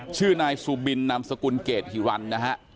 ชื่อนายสุบินนามสกุลเกรดฮิรันนะฮะ